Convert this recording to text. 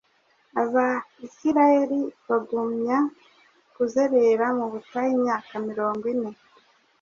AbIsirayeli bagumya kuzerera mu butayu imyaka mirongo ine.